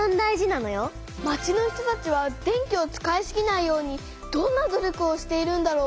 町の人たちは電気を使いすぎないようにどんな努力をしているんだろう？